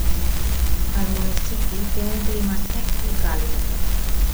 El municipi té un clima sec i càlid.